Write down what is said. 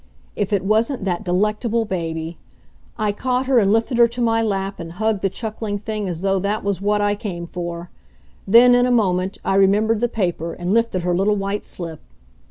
If it wasn't that delectable baby! I caught her and lifted her to my lap and hugged the chuckling thing as though that was what I came for. Then, in a moment, I remembered the paper and lifted her little white slip.